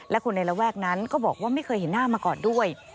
และคนในระแวกนั้นก็บอกว่าไม่เคยเห็นหน้ามาก่อนด้วย